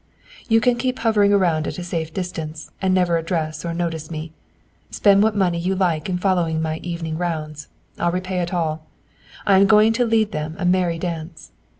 You can keep hovering around at a safe distance, and never address or notice me. Spend what money you like in following my evening rounds. I'll repay it all. I am going to lead them a merry dance.